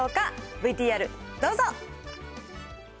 ＶＴＲどうぞ。